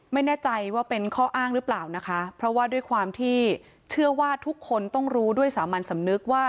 ไม่แน่ใจว่าเป็นข้ออ้างหรือเปล่านะคะเพราะว่าด้วยความที่เชื่อว่าทุกคนต้องรู้ด้วยสามัญสำนึกว่า